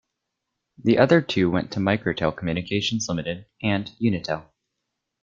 The other two went to Microtel Communications Limited, and Unitel.